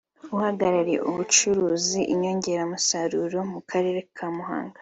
uhagarariye abacuruza inyongeramusaruro mu Karere ka Muhanga